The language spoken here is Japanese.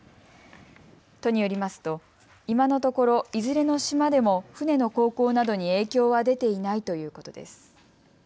都によりますと今のところ、いずれの島でも船の航行などに影響は出ていないということです。